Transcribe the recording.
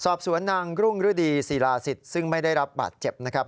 สอบสวนนางรุ่งฤดีศิลาศิษย์ซึ่งไม่ได้รับบาดเจ็บนะครับ